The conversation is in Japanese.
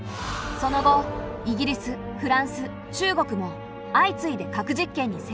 その後イギリスフランス中国も相次いで核実験に成功。